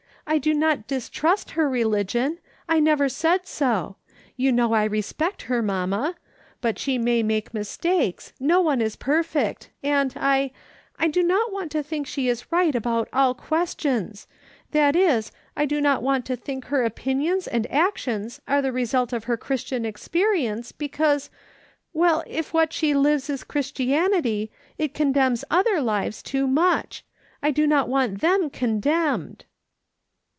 I do not distrust her religion ; I never said so. You know I respect her, mamma ; but she 2S8 MRS. SOLOMON SMITH LOOKING ON. may make mistakes ; no one is perfect ; and I — I do not want to think she is right about all questions ; that is, I do not want to think her opinions and actions are the result of her Christian experience, because — well, if what she lives is Christianity, it condemns other lives too much ; I do not want them condemned."